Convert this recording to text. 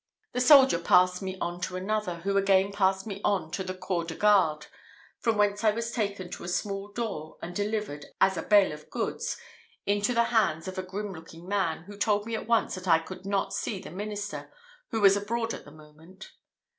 The soldier passed me on to another, who again passed me to the corps de garde, from whence I was taken to a small door and delivered, as a bale of goods, into the hands of a grim looking man, who told me at once that I could not see the minister, who was abroad at the moment.